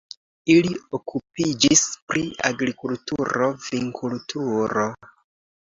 Ili okupiĝis pri agrikulturo, vinkulturo.